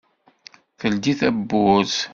Teldi tawwurt.